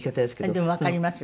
でもわかりますね。